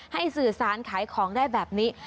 สื่อสารขายของได้แบบนี้